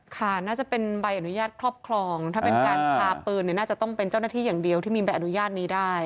ค่ะน่าจะเป็นใบอนุญาตครอบครองถ้าเป็นการพาปืนน่าจะต้องเป็นเจ้าหน้าที่อย่างเดียวที่มีใบอนุญาตนี้ได้